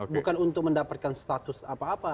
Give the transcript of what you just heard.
bukan untuk mendapatkan status apa apa